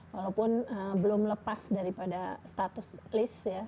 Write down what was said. walaupun belum lepas daripada status list ya